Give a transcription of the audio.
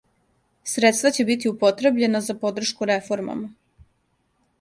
Средства ће бити употребљена за подршку реформама.